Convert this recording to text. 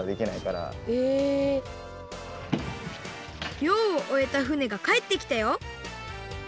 りょうをおえた船がかえってきたよ。